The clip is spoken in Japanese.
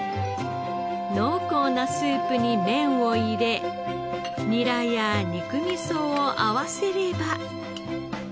濃厚なスープに麺を入れニラや肉味噌を合わせれば。